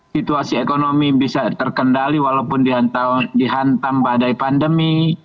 situasi ekonomi bisa terkendali walaupun dihantam badai pandemi